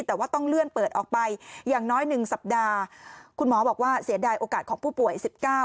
แต่ว่าต้องเลื่อนเปิดออกไปอย่างน้อยหนึ่งสัปดาห์คุณหมอบอกว่าเสียดายโอกาสของผู้ป่วยสิบเก้า